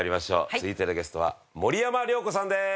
続いてのゲストは森山良子さんです。